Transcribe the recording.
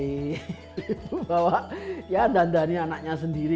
ibu bawa dandannya anaknya sendiri